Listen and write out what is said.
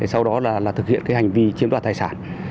sau đó là thực hiện cái hành vi chiếm đoạt tài sản